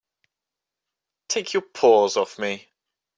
Take your paws off me!